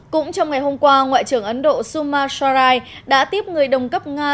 cũng trong ngày hôm qua ngoại trưởng ấn độ suma sorai đã tiếp người đồng cấp nga